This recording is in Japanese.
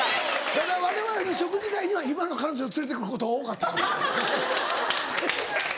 ただわれわれの食事会には今の彼女を連れてくることが多かった。